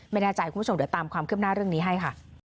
คุณผู้ชมเดี๋ยวตามความคืบหน้าเรื่องนี้ให้ค่ะ